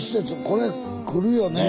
これ来るよね。